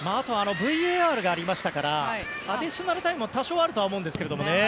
ＶＡＲがありましたからアディショナルタイムは多少あると思います。